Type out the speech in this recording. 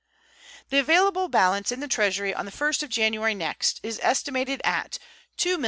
The available balance in the Treasury on the 1st of January next is estimated at $2,765,342.